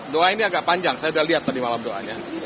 doa ini agak panjang saya sudah lihat tadi malam doanya